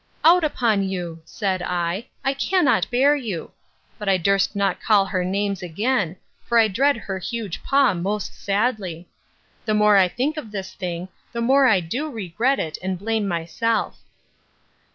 —Out upon you said I; I cannot bear you!—But I durst not call her names again; for I dread her huge paw most sadly. The more I think of this thing, the more do I regret it, and blame myself.